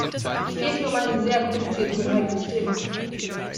Es geht hier um ein sehr kompliziertes und heikles Thema.